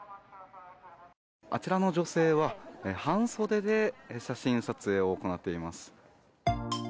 あちらの女性は半袖で写真撮影を行っています。